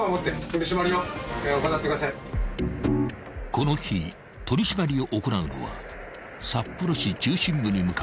［この日取り締まりを行うのは札幌市中心部に向かう幹線道路］